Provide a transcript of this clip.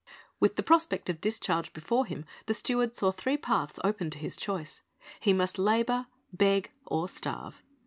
With the prospect of discharge before him, the .steward saw three paths open to his choice. He must labor, beg, or starve.